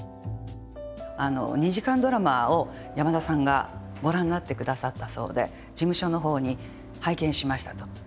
あの２時間ドラマを山田さんがご覧になって下さったそうで事務所の方に「拝見しました」と。